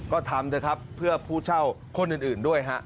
ก็ทำเถอะครับเพื่อผู้เช่าคนอื่นด้วยฮะ